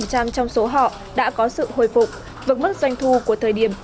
nhờ vậy năm mươi sáu trong số họ đã có sự hồi phục nhờ vậy năm mươi sáu trong số họ đã có sự hồi phục